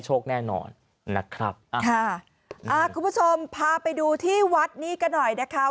โชคแน่นอนนะครับคุณผู้ชมพาไปดูที่วัดนี้กันหน่อยนะ